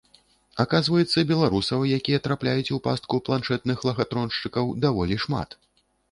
Аказваецца, беларусаў, якія трапляюць у пастку планшэтных лахатроншчыкаў, даволі шмат.